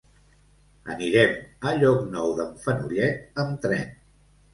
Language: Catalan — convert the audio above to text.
Anirem a Llocnou d'en Fenollet amb tren.